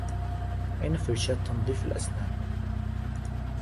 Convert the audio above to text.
أين فرشاة تنظيف الأسنان؟